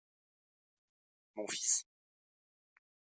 Mon fils.